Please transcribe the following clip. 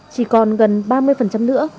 chỉ còn gần ba mươi nữa